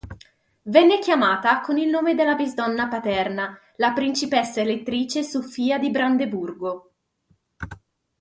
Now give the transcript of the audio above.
Venne chiamata con il nome della bisnonna paterna, la principessa elettrice Sofia di Brandeburgo.